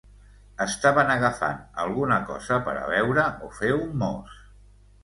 Estaven agafant alguna cosa per a beure o fer un mos.